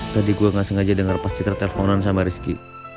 tadi gue gak sengaja denger pas cita teleponan sama rizky